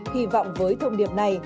hy vọng với thông điệp này